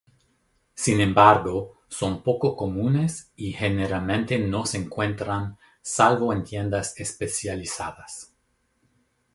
Sin embargo, son poco comunes y generalmente no se encuentran salvo en tiendas especializadas.